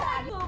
aduh aduh aduh